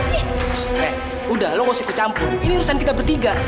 ssst men udah lo nggak usah ikut campur ini urusan kita bertiga